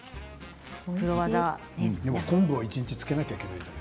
でも、昆布を一日つけなきゃいけない。